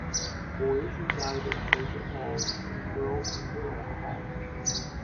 Boys reside in Frazer Hall and Girls in Goen Hall.